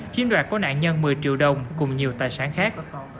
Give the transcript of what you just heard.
chiếm đoạt của nạn nhân một mươi triệu đồng cùng nhiều tài sản khác